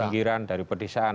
pinggiran dari pedesaan